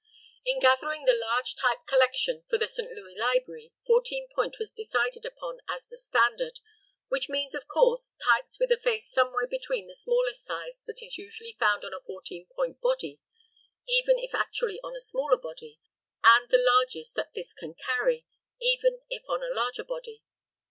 In gathering the large type collection for the St. Louis Library fourteen point was decided upon as the standard, which means, of course, types with a face somewhere between the smallest size that is usually found on a fourteen point body, even if actually on a smaller body, and the largest that this can carry, even if on a larger body.